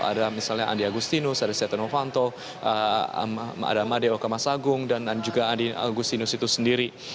ada misalnya andi agustinus ada setia novanto ada madeo kamasagung dan juga andi agustinus itu sendiri